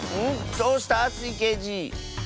どうした⁉スイけいじ。